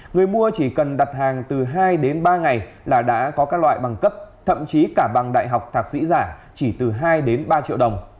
người mua chỉ cần đặt hàng từ hai đến ba ngày là đã có các loại bằng cấp thậm chí cả bằng đại học thạc sĩ giả chỉ từ hai đến ba triệu đồng